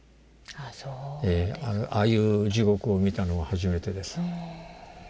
ああいう地獄を見たのは初めてです。